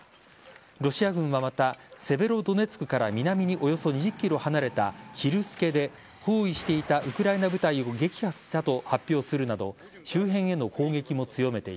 ロシア軍がまた、セベロドネツクから南におよそ２０ｋｍ離れたヒルスケで包囲していたウクライナ部隊を撃破したと発表するなど